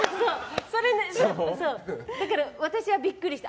だから私はビックリした。